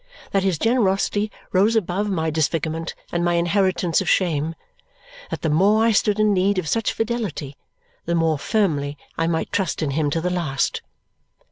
That his generosity rose above my disfigurement and my inheritance of shame. That the more I stood in need of such fidelity, the more firmly I might trust in him to the last.